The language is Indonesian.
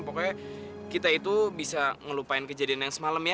pokoknya kita itu bisa ngelupain kejadian yang semalam ya